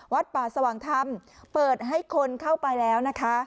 วัดป่าสว่างธรรมเปิดให้คนเข้าไปแล้วนะคะ